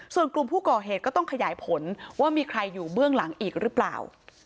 ส่วนกลุ่มผู้ก่อเหตุก็ต้องขยายผลว่ามีใครอยู่เบื้องหลังอีกหรือเปล่า